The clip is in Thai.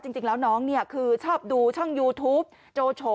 จริงแล้วน้องเนี่ยคือชอบดูช่องยูทูปโจโฉ